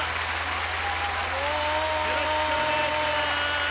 よろしくお願いします！